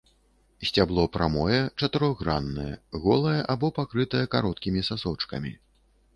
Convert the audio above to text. Сцябло прамое, чатырохграннае, голае або пакрытае кароткімі сасочкамі.